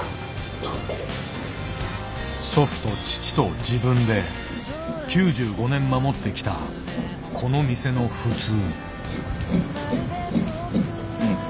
祖父と父と自分で９５年守ってきたこの店の「普通」。